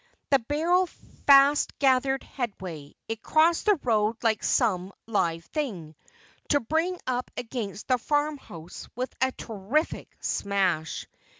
The barrel fast gathered headway. It crossed the road like some live thing, to bring up against the farmhouse with a terrific smash.